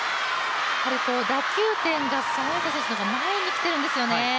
打球点が孫エイ莎選手の方が前に来ているんですよね。